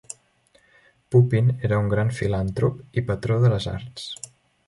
Pupin era un gran filantrop i patró de les arts.